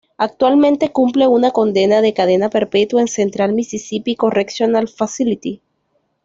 Actualmente cumple una condena de cadena perpetua en Central Mississippi Correctional Facility.